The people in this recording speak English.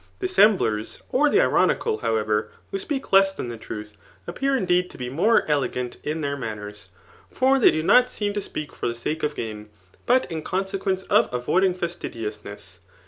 Disstaiblers, or the ironical^ however, who speak less than the truth, appear indeed to be more elqs^ant in their manners ; for they do not seem to speak for the sake of gain, but in consequence of avoiding fastidiousness.